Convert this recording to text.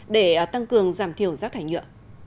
để tăng cường giảm thiểu rác thải nhựa